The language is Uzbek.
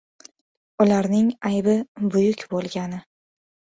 "Ularning aybi — buyuk bo‘lgani"